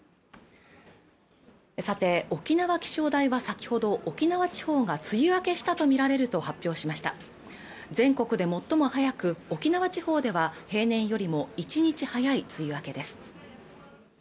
さて沖縄気象台は先ほど沖縄地方が梅雨明けしたとみられると発表しました全国で最も早く沖縄地方では平年よりも１日早い梅雨明けです